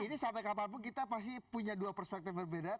ini sampai kapanpun kita pasti punya dua perspektif berbeda